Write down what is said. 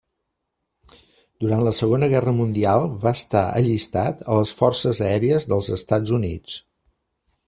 Durant la Segona Guerra Mundial va estar allistat a les forces aèries dels Estats Units.